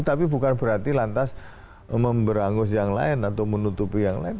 tapi bukan berarti lantas memberangus yang lain atau menutupi yang lain